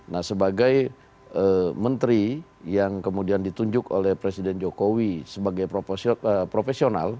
nah sebagai menteri yang kemudian ditunjuk oleh presiden jokowi sebagai profesional